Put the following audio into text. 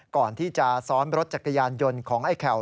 ก่อนที่จะซ้อนรถจักรยานยนต์ของไอ้แข่ว